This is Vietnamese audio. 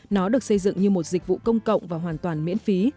nó được xây dựng như một dịch vụ công cộng và hoàn toàn miễn phí